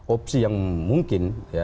opsi yang mungkin